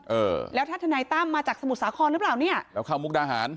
เออแล้วถ้าทนายตั้มมาจากสมุทรสาครหรือเปล่าเนี่ยแล้วเข้ามุกดาหาร